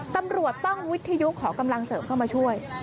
ตำรวจต้องวิทยุขอกำลังเสริมเข้ามาช่วย